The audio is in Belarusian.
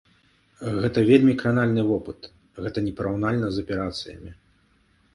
Гэта вельмі кранальны вопыт, гэта непараўнальна з аперацыямі.